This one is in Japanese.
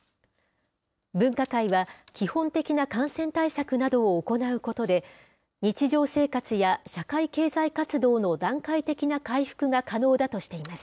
分科会は、基本的な感染対策などを行うことで、日常生活や社会経済活動の段階的な回復が可能だとしています。